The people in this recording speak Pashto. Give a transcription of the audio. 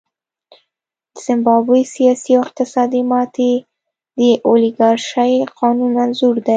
د زیمبابوې سیاسي او اقتصادي ماتې د اولیګارشۍ قانون انځور دی.